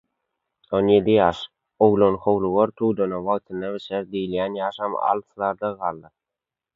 On ýedi ýaş, «Oglan howlugar, tudana wagtynda bişer» diýilýän ýaşam alyslarda galdy.